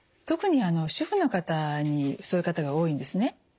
特に主婦の方にそういう方が多いんですね。